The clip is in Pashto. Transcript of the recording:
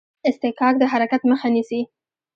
اصطکاک د حرکت مخه نیسي.